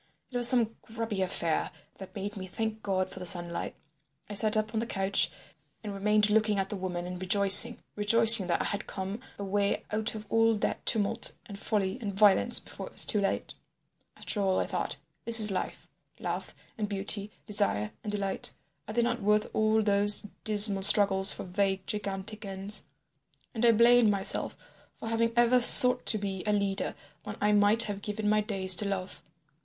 It was some grubby affair that made me thank God for the sunlight. I sat up on the couch and remained looking at the woman and rejoicing—rejoicing that I had come away out of all that tumult and folly and violence before it was too late. After all, I thought, this is life—love and beauty, desire and delight, are they not worth all those dismal struggles for vague, gigantic ends? And I blamed myself for having ever sought to be a leader when I might have given my days to love.